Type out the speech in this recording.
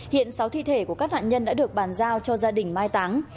hiện sáu thi thể của các nạn nhân đã được bàn giao cho gia đình mai táng